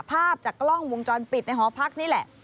ภาพจากกล้องวงจรปิดในหอพักนี่แหละ